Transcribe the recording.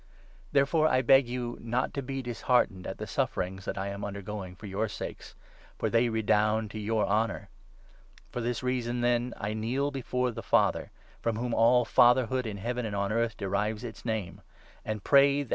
Therefore I beg you not to be disheartened at the sufferings that I am under going for your sakes ; for they redound to your honour. For this reason, then, I kneel before the theychurch Father— from whom all ' fatherhood ' in Heaven may and on earth derives its name — and pray that, "thuToos!